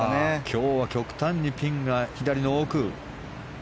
今日は極端にピンが左の奥。